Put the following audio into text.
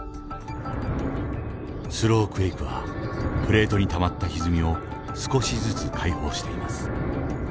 スロークエイクはプレートにたまったひずみを少しずつ解放しています。